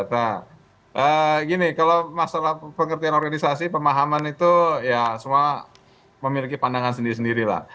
nah gini kalau masalah pengertian organisasi pemahaman itu ya semua memiliki pandangan sendiri sendiri lah